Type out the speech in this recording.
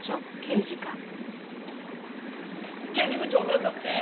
刑事部長なんだって？